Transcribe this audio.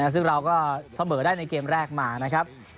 ซึ่งเราก็เสมอได้ในเกมแรกมานะครับ